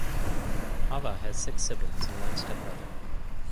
Hava has six siblings and one stepbrother.